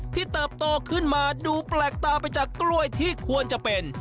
เติบโตขึ้นมาดูแปลกตาไปจากกล้วยที่ควรจะเป็น